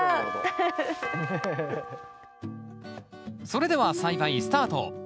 それでは栽培スタート。